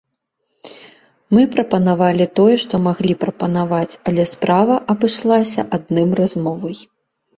Мы прапанавалі тое, што маглі прапанаваць, але справа абышлася адным размовай.